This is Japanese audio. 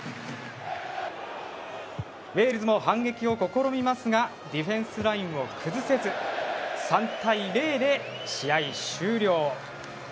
ウェールズも反撃を試みますがディフェンスラインを崩せず３対０で試合終了。